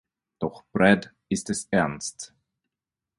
Doch Brad ist es ernst.